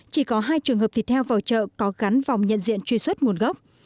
chỉ có hai trường hợp thịt heo vào chợ có gắn vòng nhận diện truy xuất nguồn gốc